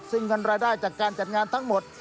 ซึ่งเงินรายได้จากการจัดงานทั้งหมด